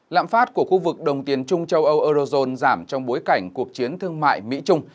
lạm phát của khu vực đồng tiền trung châu âu eurozone giảm trong bối cảnh cuộc chiến thương mại mỹ trung